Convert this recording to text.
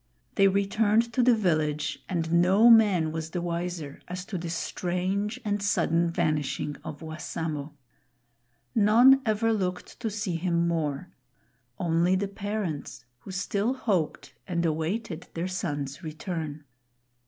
They returned to the village, and no man was the wiser as to the strange and sudden vanishing of Wassamo. None ever looked to see him more; only the parents, who still hoped and awaited their son's return.